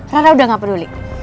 rara udah gak peduli